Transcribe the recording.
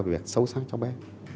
về việc sâu sắc cháu bé